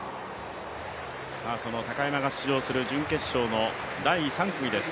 その高山が出場する準決勝の第３組です。